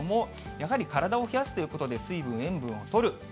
やはり体を冷やすということで、水分、塩分をとる。